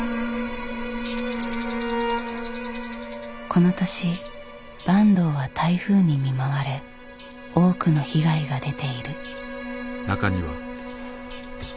この年坂東は台風に見舞われ多くの被害が出ている。